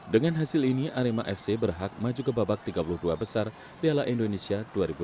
dengan hasil ini arema fc berhak maju ke babak tiga puluh dua besar di ala indonesia dua ribu delapan belas dua ribu sembilan belas